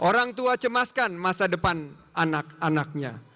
orang tua cemaskan masa depan anak anaknya